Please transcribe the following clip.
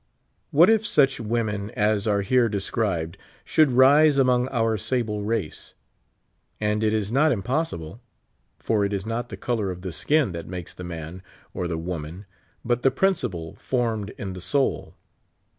What if such women as are here described should rise among our sable race? And it is not impossible ; for it is not the color of the skin that makes the man or the woman, but the principle formed in the soul.